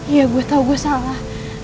iya gue tau gue salah